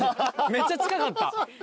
めっちゃ近かった。